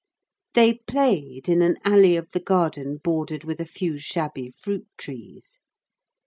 They played in an alley of the garden bordered with a few shabby fruit trees.